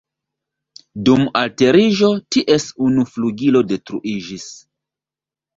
Dum alteriĝo, ties unu flugilo detruiĝis.